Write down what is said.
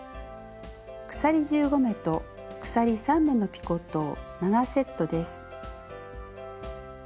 鎖１５目と鎖３目のピコットを７セットです。